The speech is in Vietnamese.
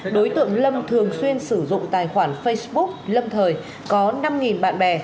đối tượng lâm thường xuyên sử dụng tài khoản facebook lâm thời có năm bạn bè